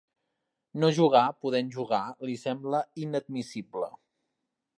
No jugar, podent jugar, li sembla inadmissible.